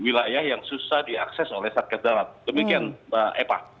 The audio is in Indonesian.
di wilayah yang susah diakses oleh satgas darat demikian pak